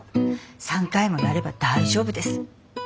３回もやれば大丈夫です。